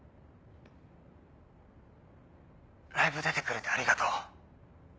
ライブ出てくれてありがとう。